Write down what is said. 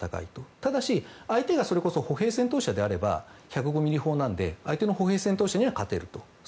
ただし、相手がそれこそ歩兵戦闘車であれば１０５ｍｍ砲なので相手の戦車には勝てると。